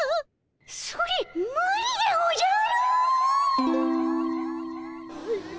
それむりでおじゃる！